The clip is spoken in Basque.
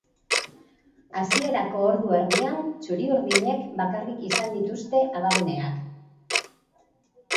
Hasierako ordu erdian, txuri-urdinek bakarrik izan dituzte abaguneak.